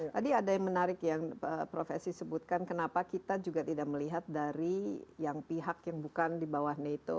tadi ada yang menarik yang prof esi sebutkan kenapa kita juga tidak melihat dari yang pihak yang bukan di bawah nato